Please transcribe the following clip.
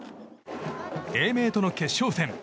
英明との決勝戦。